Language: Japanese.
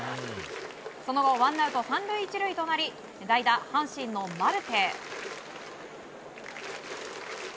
その後ワンアウト３塁１塁となり代打、阪神のマルテ。